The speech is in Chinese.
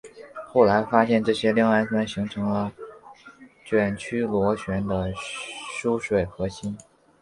后来发现这些亮氨酸形成了卷曲螺旋的疏水核心。